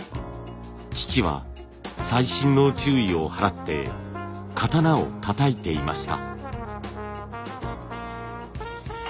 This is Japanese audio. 父は細心の注意を払って刀をたたいていました。